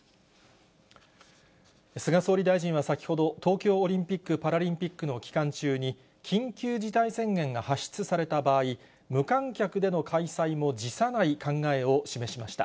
菅総理大臣は先ほど、東京オリンピック・パラリンピックの期間中に、緊急事態宣言が発出された場合、無観客での開催も辞さない考えを示しました。